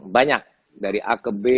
banyak dari a ke b